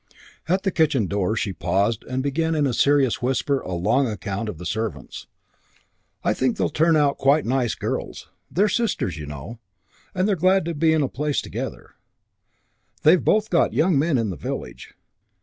At the kitchen door she paused and began in a mysterious whisper a long account of the servants. "I think they'll turn out quite nice girls. They're sisters, you know, and they're glad to be in a place together. They've both got young men in the village.